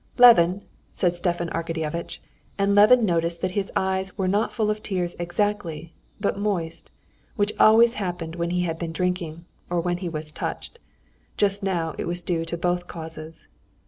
"Levin," said Stepan Arkadyevitch, and Levin noticed that his eyes were not full of tears exactly, but moist, which always happened when he had been drinking, or when he was touched. Just now it was due to both causes.